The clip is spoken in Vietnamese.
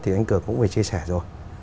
thì anh cường cũng phải chia sẻ rồi